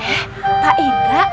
eh pak inga